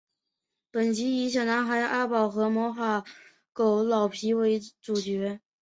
本集以小男孩阿宝和魔法狗老皮为主角。